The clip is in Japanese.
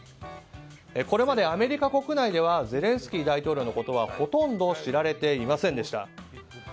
これまでアメリカ国内ではゼレンスキー大統領のことはほとんど知られていませんでした。